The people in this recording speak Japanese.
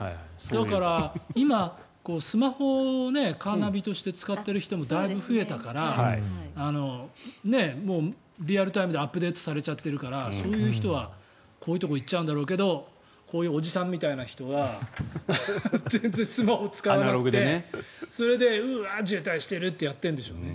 だから今、スマホをカーナビとして使っている人もだいぶ増えたからリアルタイムでアップデートされちゃっているからそういう人はこういうところに行っちゃうんだろうけどこういうおじさんみたいな人は全然スマホを使えなくてうわー、渋滞してるってやってるんでしょうね。